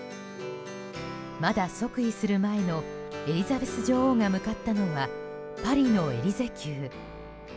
まだ即位する前のエリザベス女王が向かったのはパリのエリゼ宮。